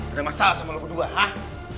udah masalah sama lo berdua hah